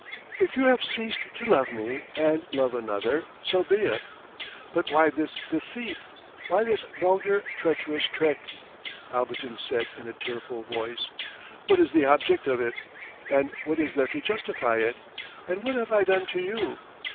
"If you have ceased to love me and love another so be it; but why this deceit, why this vulgar, treacherous trick?" Abogin said in a tearful voice. "What is the object of it? And what is there to justify it? And what have I done to you?